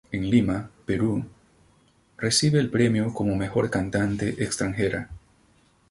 En Lima, Perú, recibe el premio como mejor cantante extranjera.